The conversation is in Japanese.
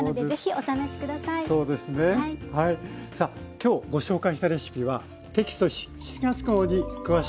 今日ご紹介したレシピはテキスト７月号に詳しく掲載されています。